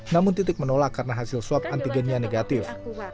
namun titik menolak karena hasil swab antigennya negatif